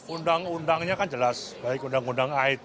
undang undangnya kan jelas baik undang undang it maupun pidana ada